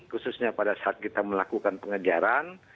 khususnya pada saat kita melakukan pengejaran